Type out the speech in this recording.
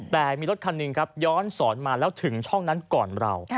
แต่มีรถคันหนึ่งครับย้อนสอนมาแล้วถึงช่องนั้นก่อนเรา